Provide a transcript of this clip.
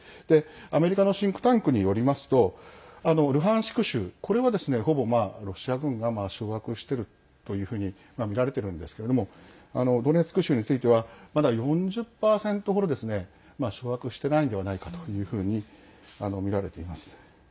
アメリカのシンクタンクによりますとルハンシク州これは、ほぼロシア軍が掌握しているというふうにみられてるんですけれどもドネツク州についてはまだ４０％ほど掌握してないのではないかというふうにみられています。